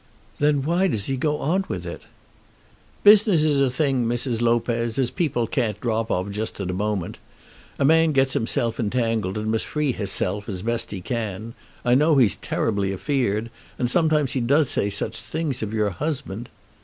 "Then why does he go on with it?" "Business is a thing, Mrs. Lopez, as people can't drop out of just at a moment. A man gets hisself entangled, and must free hisself as best he can. I know he's terribly afeard; and sometimes he does say such things of your husband!"